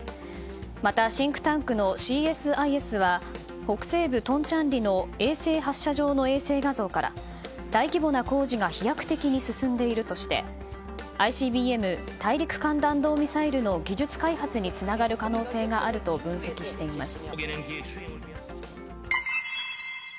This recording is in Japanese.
また、シンクタンクのＣＳＩＳは北西部トンチャンリの衛星発射場の衛星画像から、大規模な工事が飛躍的に進んでいるとしてＩＣＢＭ・大陸間弾道ミサイルの技術開発につながる可能性があると分析しています。